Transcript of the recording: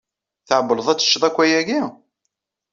Tɛewwleḍ ad teččeḍ akk ayagi?